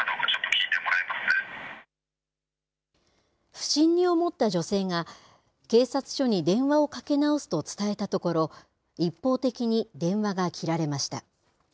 不審に思った女性が、警察署に電話をかけ直すと伝えたところ、一方的に電話が切られました。